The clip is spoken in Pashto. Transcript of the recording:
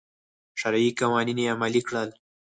شرعي قوانین یې عملي کړل.